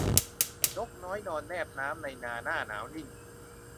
นกน้อยนอนแนบน้ำในนาหน้าหนาวนิ่ง